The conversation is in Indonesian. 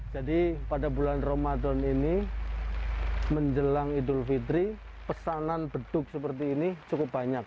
jadi pada bulan ramadan ini menjelang idul fitri pesanan beduk seperti ini cukup banyak